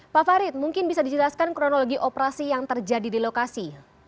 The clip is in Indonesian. pak farid mungkin bisa dijelaskan kronologi operasi yang terjadi di lokasi